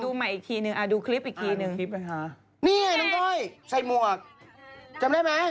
ดูใหม่อีกทีหนึ่งดูคลิปอีกทีหนึ่งนี่ไงน้องก้อยใส่หมวกจำได้ไหม